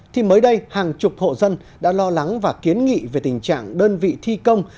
thì mới đây hàng chục hộ dân đã lo lắng và kiến nghị về tình trạng đơn vị thi công